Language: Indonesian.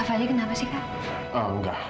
pintunya udah bangun belum